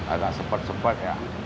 agak sepet sepet ya